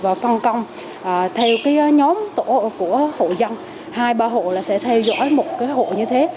và phân công theo nhóm tổ của hộ dân hai ba hộ sẽ theo dõi một hộ như thế